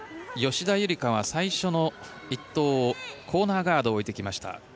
吉田夕梨花は最初の１投をコーナーガードを置いてきました。